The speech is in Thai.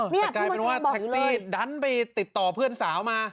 แต่กลายเป็นว่าแท็กซี่ดันไปติดต่อเพื่อนสาวมา